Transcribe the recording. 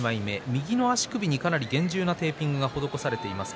右の足首に厳重なテーピングが施されています。